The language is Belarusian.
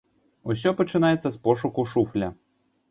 Усё пачынаецца з пошуку шуфля.